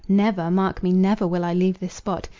Never—mark me—never will I leave this spot.